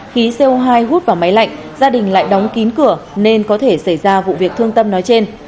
khí co hai hút vào máy lạnh gia đình lại đóng kín cửa nên có thể xảy ra vụ việc thương tâm nói trên